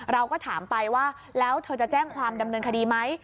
เราก็ถามไปว่าแล้วเธอจะแจ้งความดำเนินคดีไหม